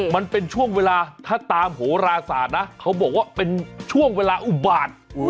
มันเป็นช่วงเวลาถ้าตามโหราศาสตร์นะเขาบอกว่าเป็นช่วงเวลาอุบาต